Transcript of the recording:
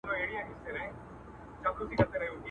مار پر ږغ کړل ویل اې خواره دهقانه؛